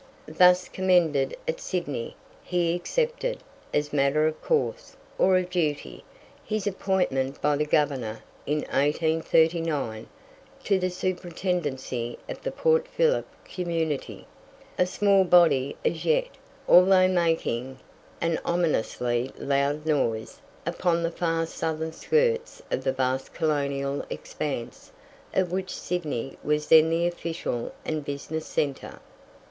Thus commended at Sydney, he accepted, as matter of course, or of duty, his appointment by the Governor, in 1839, to the Superintendency of the Port Phillip community, a small body as yet, although making an ominously loud noise upon the far southern skirts of the vast colonial expanse of which Sydney was then the official and business centre.